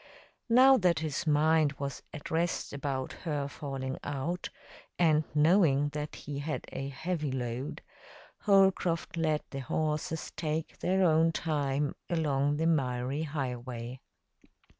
Now that his mind was at rest about her falling out, and knowing that he had a heavy load, Holcroft let the horses take their own time along the miry highway.